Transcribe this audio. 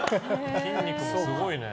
筋肉もすごいね。